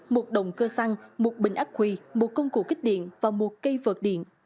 một động cơ xăng một bình ác quỳ một công cụ kích điện và một cây vợt điện